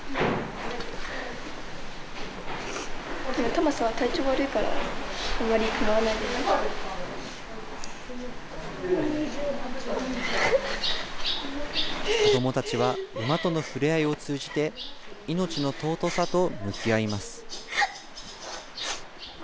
タマさ、子どもたちは馬との触れ合いを通じて、命の尊さと向き合います。